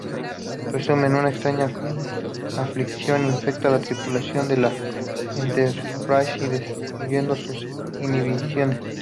Resumen: una extraña aflicción infecta a la tripulación del "Enterprise", destruyendo sus inhibiciones.